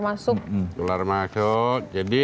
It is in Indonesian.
masuk keluar masuk jadi